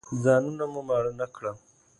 ځانونه مو ماړه نه کړل.